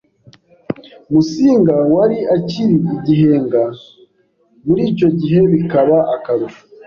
Musinga wari akiri igihenga muri icyo gihe bikaba akarusho.